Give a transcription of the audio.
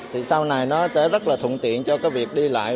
thì sau này nó sẽ rất là thuận tiện cho cái việc đi lại